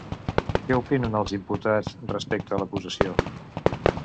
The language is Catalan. Què opinen els imputats respecte a l'acusació?